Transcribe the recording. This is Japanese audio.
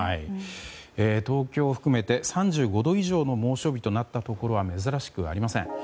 東京を含めて３５度以上の猛暑日となったところは珍しくありません。